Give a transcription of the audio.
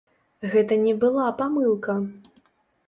Гэта не была памылка.